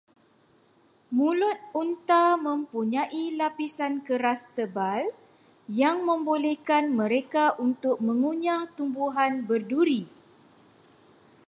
Mulut unta mempunyai lapisan keras tebal, yang membolehkan mereka untuk mengunyah tumbuhan berduri.